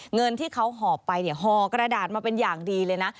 เงินที่เขาหอบไปเนี่ยห่อกระดาษมาเป็นอย่างดีเลยนะ